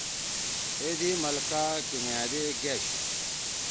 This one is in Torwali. اے دی ملکہ کینگھأدے گأشی۔